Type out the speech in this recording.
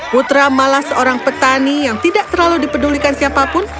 putra malah seorang petani yang tidak terlalu dipedulikan siapapun